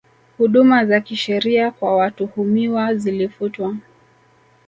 Huduma za kisheria kwa watuhumiwa zilifutwa